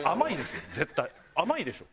「甘い」でしょ。